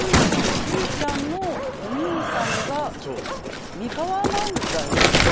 おじいちゃんのお兄さんが「三河万歳」みたいな。